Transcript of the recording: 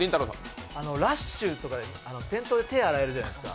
ＬＡＳＨとかって店頭で手洗えるじゃないですか。